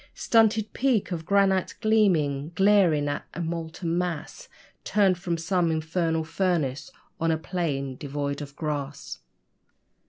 Stunted peak of granite gleaming, glaring like a molten mass Turned from some infernal furnace on a plain devoid of grass.